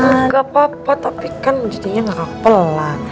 gak apa apa tapi kan jadinya gak kapel lah